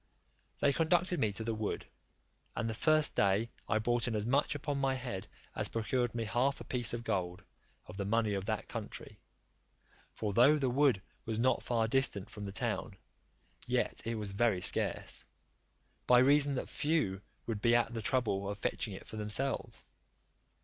They conducted me to the wood, and the first day I brought in as much upon my head as procured me half a piece of gold, of the money of that country; for though the wood was not far distant from the town, yet it was very scarce, by reason that few would be at the trouble of fetching it for themselves.